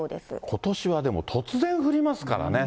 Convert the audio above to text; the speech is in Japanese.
ことしはでも突然降りますからね。